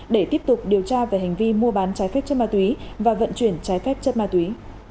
để tiếp tục điều tra về hành vi mua bán trái phép chất ma túy và vận chuyển trái phép chất ma túy